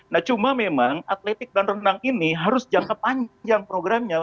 nah cuma memang atletik dan renang ini harus jangka panjang programnya